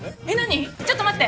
ちょっと待って！